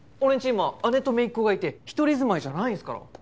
今姉と姪っ子がいて一人住まいじゃないんですから。